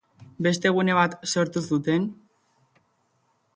Beste gune bat sortu zuten.